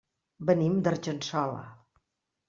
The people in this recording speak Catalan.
Venim d'Argençola.